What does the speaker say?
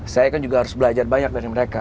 saya kan juga harus belajar banyak dari mereka